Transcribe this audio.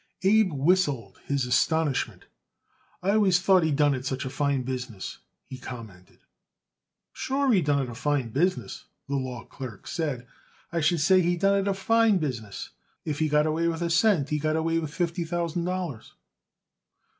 Abe whistled his astonishment. "I always thought he done it such a fine business," he commented. "Sure he done it a fine business," the law clerk said. "I should say he did done it a fine business. If he got away with a cent he got away with fifty thousand dollars."